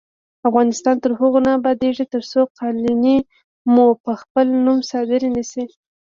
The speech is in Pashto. افغانستان تر هغو نه ابادیږي، ترڅو قالینې مو په خپل نوم صادرې نشي.